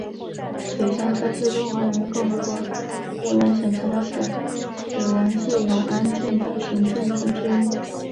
水山村是中华人民共和国湖南省长沙市浏阳市永安镇的行政村之一。